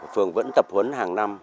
phường vẫn tập huấn hàng năm